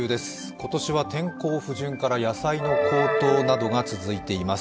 今年は天候不順から野菜の高騰などが続いています。